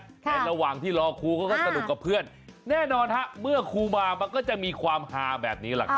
ในระหว่างที่รอครูเขาก็สนุกกับเพื่อนแน่นอนฮะเมื่อครูมามันก็จะมีความฮาแบบนี้แหละครับ